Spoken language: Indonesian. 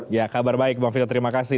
ya kabar baik bang vito terima kasih